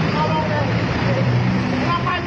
มันคืออะไร